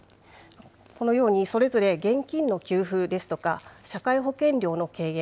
このようにそれぞれ現金の給付ですとか、社会保険料の軽減、